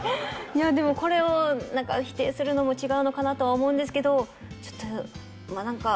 いやでもこれを否定するのも違うのかなとは思うんですけどちょっとまあなんか。